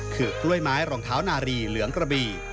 คือกล้วยไม้รองเท้านารีเหลืองกระบี่